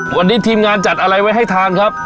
วันนี้ทีมงานจัดอะไรไว้ให้ทานครับ